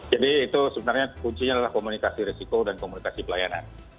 jadi itu sebenarnya kuncinya adalah komunikasi resiko dan komunikasi pelayanan